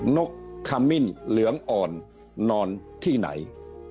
นกขมิ้นเหลืองอ่อนนอนที่ไหน